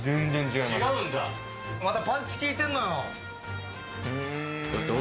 またパンチ効いてんのよ。